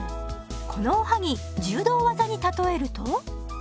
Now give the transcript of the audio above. このおはぎ柔道技に例えると？